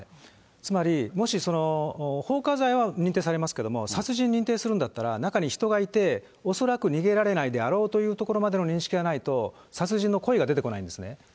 つまりもし放火罪は認定されますけれども、殺人認定するんだったら、中に人がいて恐らく逃げられないであろうというところまでの認識はないと、殺人の故意が出てこないんですね。